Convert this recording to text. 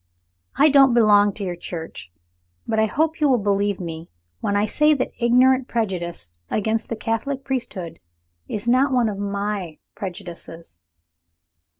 I don't belong to your Church; but I hope you will believe me when I say that ignorant prejudice against the Catholic priesthood is not one of my prejudices."